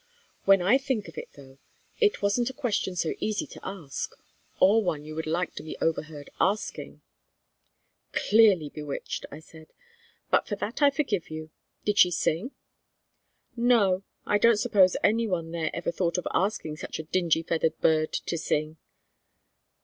"When I think of it, though, it wasn't a question so easy to ask, or one you would like to be overheard asking." "Clearly bewitched," I said. "But for that I forgive you. Did she sing?" "No. I don't suppose any one there ever thought of asking such a dingy feathered bird to sing."